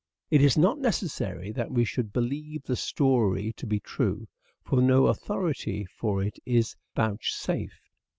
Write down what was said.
It is not necessary that we should believe the story to be true, for no authority for it is vouchsafed.